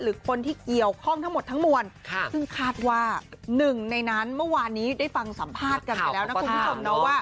หรือคนที่เกี่ยวข้องทั้งหมดทั้งมวลซึ่งขาดว่า๑ในนั้นเมื่อวานนี้ได้ฟังสัมภาษณ์กัน